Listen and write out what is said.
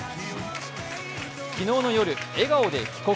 昨日の夜、笑顔で帰国！